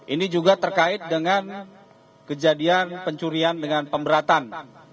ini juga terkait dengan kejadian pencurian dengan pemberatan